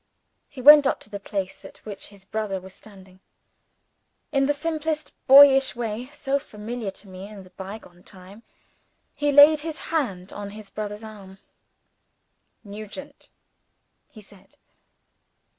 He went up to the place at which his brother was standing. In the simple, boyish way, so familiar to me in the bygone time, he laid his hand on his brother's arm. "Nugent!" he said.